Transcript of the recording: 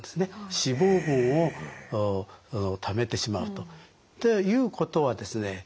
脂肪分を貯めてしまうと。ということはですね